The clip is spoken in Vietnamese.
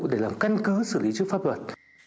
để làm căn cứ xử lý trước pháp luật